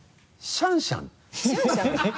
シャンシャン？